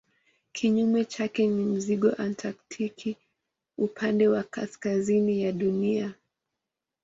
Kinyume chake ni mzingo antaktiki upande wa kaskazini ya Dunia.